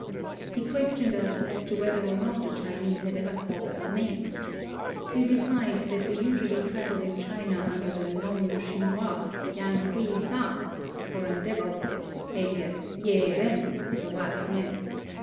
He questioned us as to whether or not the Chinese had ever called us names. We replied that we usually traveled in China under the nom de Chinois, yang queedza (the foreign devils), alias yeh renn (the wild men).